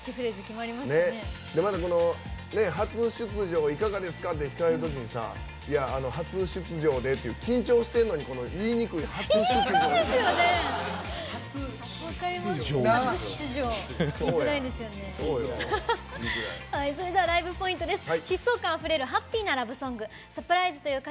また初出場いかがですか？って聞かれたときに「初出場で」って緊張してるのに言いにくい「初出場」って。